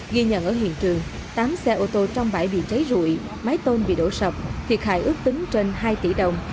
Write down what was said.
ghi nhận ở hiện trường tám xe ô tô trong bãi bị cháy rụi mái tôn bị đổ sập thiệt hại ước tính trên hai tỷ đồng